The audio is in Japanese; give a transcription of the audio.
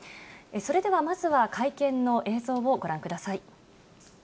それではまずは会見の映像をご覧ください。